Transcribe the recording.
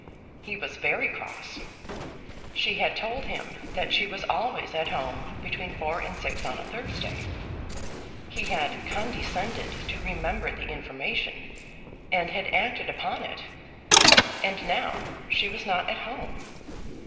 He was very cross. She had told him that she was always at home between four and six on a Thursday. He had condescended to remember the information, and had acted upon it, and now she was not at home!